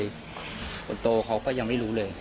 คนโตเขาก็ยังไม่รู้เลย